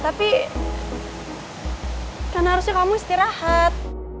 tapi kan harusnya kamu istirahat